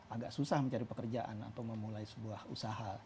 agak susah mencari pekerjaan atau memulai sebuah usaha